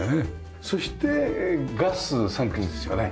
そしてガス３口ですよね。